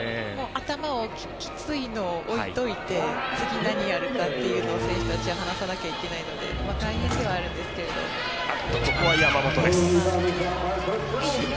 頭がきついのを置いておいて次、何やるかというのを選手たちは話し合わなくてはいけないので大変ではあるんですが。